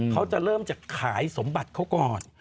เขาจะเริ่มจากขายสมบัติเขาก่อน